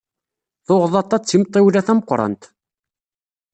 Tuɣḍaṭ-a d timṭiwla tameqqrant.